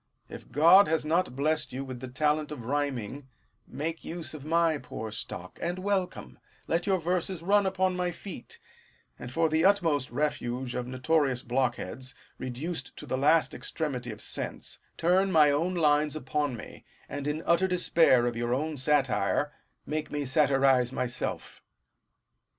If God has not blessed you with the talent of rhyming, make use of my poor stock, and welcome : let your verses run upon my feet ; and for the utmost refuge of notorious blockheads, reduced to the last extremity of sense, turn my own lines upon me, and, in utter despair of your own satire, make me satirize myself.